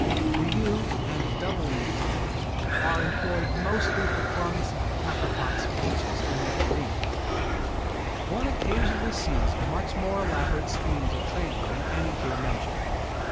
The U and double U forms are employed mostly for plums, apricots, peaches and nectarines. One occasionally sees much more elaborate schemes of training than any here mentioned.